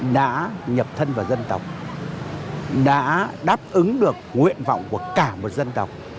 đã nhập thân vào dân tộc đã đáp ứng được nguyện vọng của cả một dân tộc